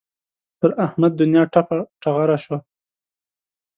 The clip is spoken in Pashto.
پر احمد دونیا ټپه ټغره شوه.